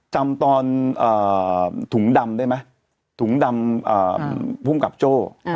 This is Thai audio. จำตอนถุงดำพุมกับโจ้